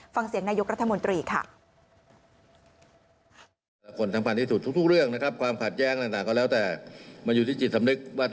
ฟังเสียงนายกรัฐมนตรีค่ะ